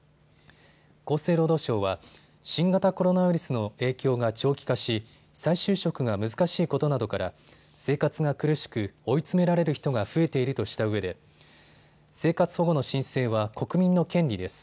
厚生労働省は新型コロナウイルスの影響が長期化し再就職が難しいことなどから生活が苦しく追い詰められる人が増えているとしたうえで生活保護の申請は国民の権利です。